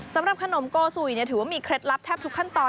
สำหรับขนมโกสุยถือว่ามีเคล็ดลับแทบทุกขั้นตอน